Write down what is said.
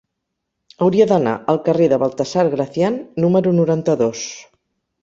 Hauria d'anar al carrer de Baltasar Gracián número noranta-dos.